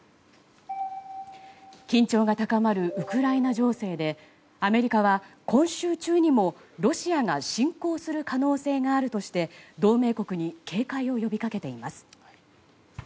緊張が高まるウクライナ情勢でアメリカは今週中にもロシアが侵攻する可能性があるとして、同盟国に警戒を呼びかけています。